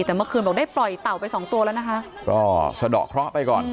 แต่เมื่อคืนบอกได้ปล่อยเต่าไปสองตัวแล้วนะคะก็สะดอกเคราะห์ไปก่อน